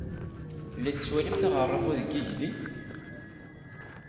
La tettwalimt aɣerrabu deg yigli?